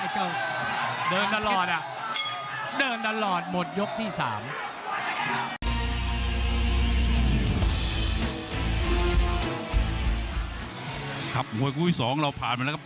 เจอเผื่อหัวห้วยที่สองเราผ่านมาแล้วนะครับ